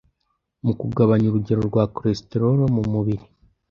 mu kugabanya urugero rwa cholesterol mu mubiri